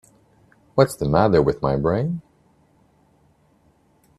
What's the matter with my brain?